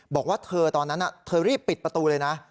บอกว่าเธอตอนนั้นเธอรีบปิดประตูเลยนะ